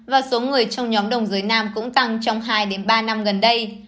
và số người trong nhóm đồng dưới nam cũng tăng trong hai ba năm gần đây